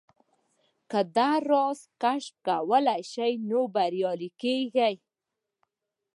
که دا راز کشفولای شئ نو بريالي کېږئ.